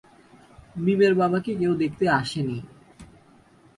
মিমের বাবাকে কেউ দেখতে আসেনি।